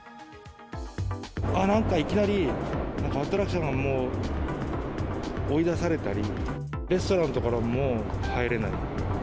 なんかいきなり、アトラクションから追い出されたり、レストランとかも入れない。